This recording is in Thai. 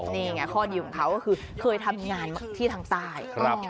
นี่ไงข้อดีของเขาก็คือเคยทำงานที่ทางใต้